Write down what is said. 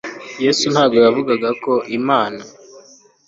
yesu ntabwo yavugaga ko imana